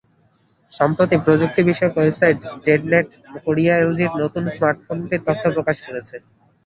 সম্প্রতি প্রযুক্তিবিষয়ক website ZDNet Korea এলজির নতুন স্মার্টফোনটির তথ্য প্রকাশ করেছে।